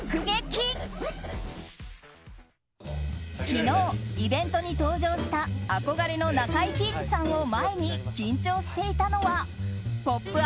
昨日、イベントに登場した憧れの中井貴一さんを前に緊張していたのは「ポップＵＰ！」